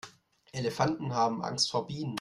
Elefanten haben Angst vor Bienen.